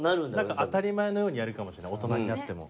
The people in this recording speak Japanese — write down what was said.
当たり前のようにやるかも大人になっても。